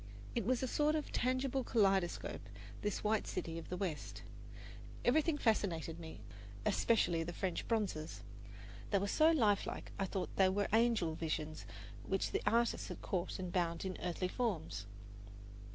It was a sort of tangible kaleidoscope, this white city of the West. Everything fascinated me, especially the French bronzes. They were so lifelike, I thought they were angel visions which the artist had caught and bound in earthly forms.